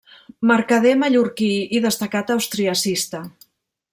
Mercader mallorquí i destacat austriacista.